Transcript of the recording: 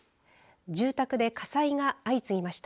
住宅で火災が相次ぎました。